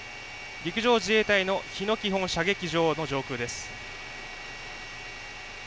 陸上自衛隊の日野基本射撃場の上空です。